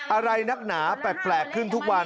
อะไรนักหนาแปลกขึ้นทุกวัน